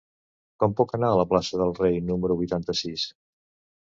Com puc anar a la plaça del Rei número vuitanta-sis?